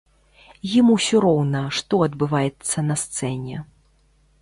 Ім усё роўна, што адбываецца на сцэне.